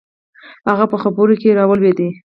هغه په خبرو کښې راولويد.